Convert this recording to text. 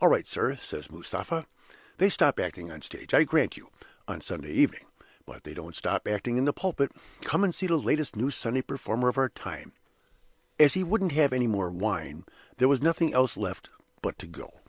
'All right, sir,' says Mustapha. 'They stop acting on the stage, I grant you, on Sunday evening but they don't stop acting in the pulpit. Come and see the last new Sunday performer of our time.' As he wouldn't have any more wine, there was nothing else for it but to go.